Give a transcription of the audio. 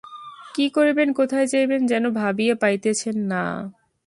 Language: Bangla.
কি করিবেন কোথায় যাইবেন যেন ভাবিয়া পাইতেছেন না।